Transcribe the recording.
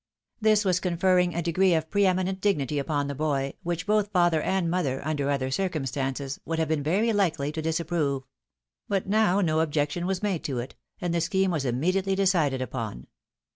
This was conferring a degree of pre eminent dignity upon the boy, which both father and mother, under other circumstances, would have been very likely to disapprove ; but now no objection was made to it, and the scheme was immediately decided upon.